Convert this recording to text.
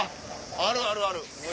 あるあるある。